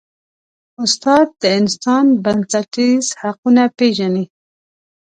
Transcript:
استاد د انسان بنسټیز حقونه پېژني.